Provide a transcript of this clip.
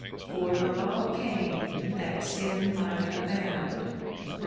For the law came that sin might abound, (Rom.